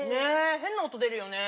へんな音出るよね。